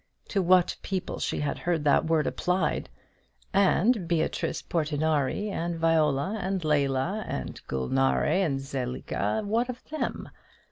To what people she had heard that word applied! And Beatrice Portinari, and Viola, and Leila, and Gulnare, and Zelica, what of them?